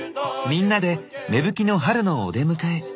みんなで芽吹きの春のお出迎え。